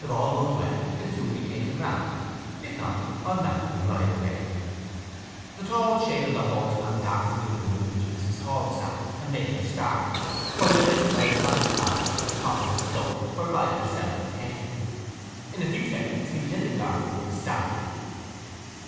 If all goes well it can soon be taken round: if not, I mount and ride away' The tall shade of the horseman darkened the room in which Mrs. Hall sat, and made her start, for he had ridden by a side path to the top of the slope, where riders seldom came. In a few seconds he was in the garden with Sally.